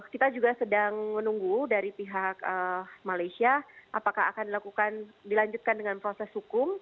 kita juga sedang menunggu dari pihak malaysia apakah akan dilakukan dilanjutkan dengan proses hukum